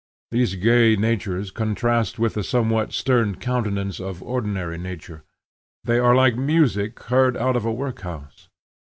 These gay natures contrast with the somewhat stern countenance of ordinary nature: they are like music heard out of a work house.